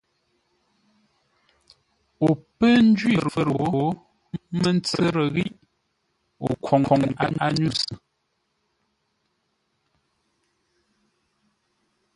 O pə̌ njwí fə̂r gho mə́ tsə́rə́ ghiʼ o khwoŋtə ányúsʉ.